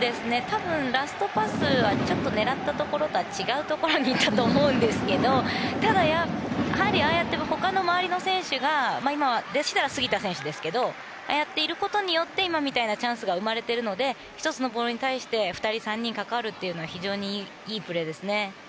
多分、ラストパスはちょっと狙ったところとは違うところに行ったと思うんですけどただ、やはり、ああやって他の周りの選手が今は、杉田選手でしたけどああやっていることによって今みたいなチャンスが生まれているので１つのボールに対して２人、３人関わるというのは非常にいいプレーですね。